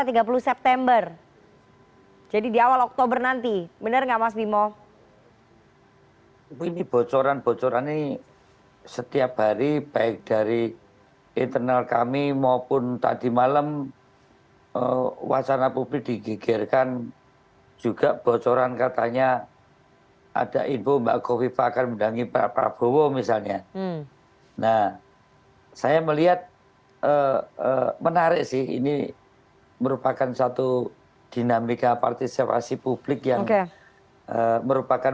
tapi itu bisa di kompensasi dengan menguatkan wilayah lain yaitu jawa timur